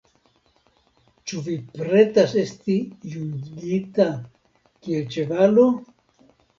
Ĉu vi pretas esti jungita kiel ĉevalo?